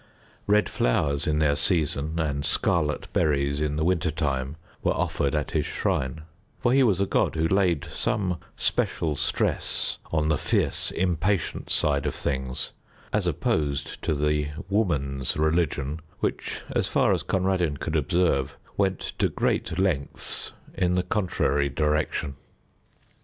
Red flowers in their season and scarlet berries in the winter time were offered at his shrine, for he was a god who laid some special stress on the fierce impatient side of things, as opposed to the Woman's religion, which, as far as Conradin could observe, went to great lengths in the contrary direction.